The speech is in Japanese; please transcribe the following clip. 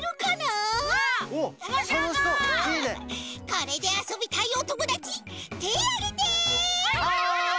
これであそびたいおともだちてあげて！